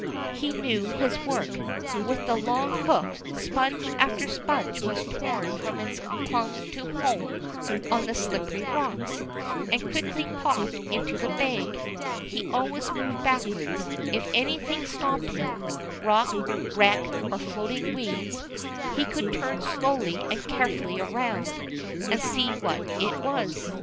He knew his work. With the long hook, sponge after sponge was torn from its clung to home on the slippery rocks, and quickly popped into the bag. He always moved backwards. If anything stopped him, rock, wreck, or floating weeds, he could turn slowly and carefully around, and see what it was.